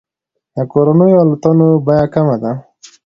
د کورنیو الوتنو بیه کمه ده.